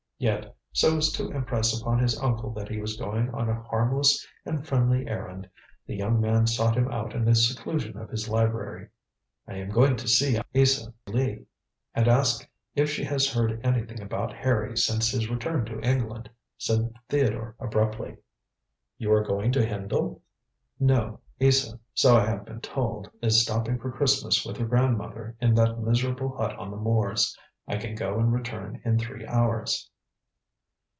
Yet, so as to impress upon his uncle that he was going on a harmless and friendly errand, the young man sought him out in the seclusion of his library. "I am going to see Isa Lee, and ask if she has heard anything about Harry since his return to England," said Theodore abruptly. "You are going to Hendle?" "No. Isa, so I have been told, is stopping for Christmas with her grandmother in that miserable hut on the moors. I can go and return in three hours."